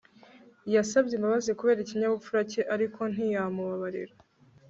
Yasabye imbabazi kubera ikinyabupfura cye ariko ntiyamubabarira